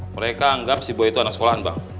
mereka anggap si bo itu anak sekolahan bang